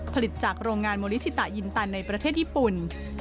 ผลิตจากโรงงานโมลิชิตายินตันในประเทศญี่ปุ่น